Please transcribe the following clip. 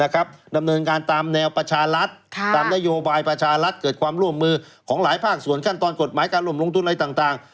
ดำเนินการตามแนวประชารัฐตามนโยบายประชารัฐเกิดความร่วมมือของหลายภาคส่วนขั้นตอนกฎหมายการร่วมลงทุนอะไรต่าง